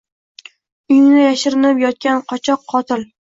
Uyingda yashirinib yotgan qochoq — qotil!